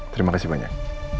terima kasih banyak